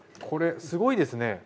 これすごいですね。